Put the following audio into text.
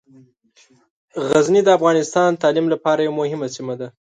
غزني د افغانستان د تعلیم لپاره یوه مهمه سیمه ده.